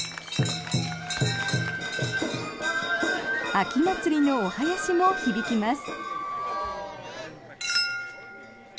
秋祭りのおはやしも響きます。